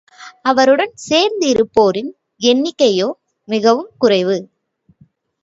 அவருடன் சேர்ந்திருப்போரின் எண்ணிக்கையோ மிகவும் குறைவு.